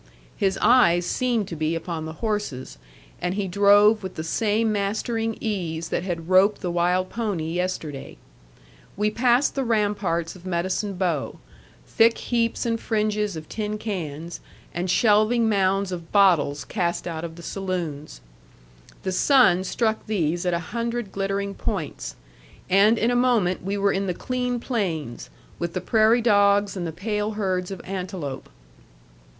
His eyes seemed to be upon the horses, and he drove with the same mastering ease that had roped the wild pony yesterday. We passed the ramparts of Medicine Bow, thick heaps and fringes of tin cans, and shelving mounds of bottles cast out of the saloons. The sun struck these at a hundred glittering points. And in a moment we were in the clean plains, with the prairie dogs and the pale herds of antelope.